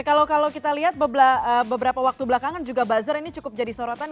kalau kita lihat beberapa waktu belakangan juga buzzer ini cukup jadi sorotan